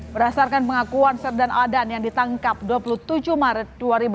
berdasarkan pengakuan serdan aldan yang ditangkap dua puluh tujuh maret dua ribu dua puluh